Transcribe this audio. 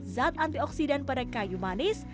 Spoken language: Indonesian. zat antioksidan pada kayu manis